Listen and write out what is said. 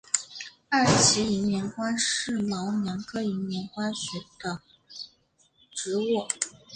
二歧银莲花是毛茛科银莲花属的植物。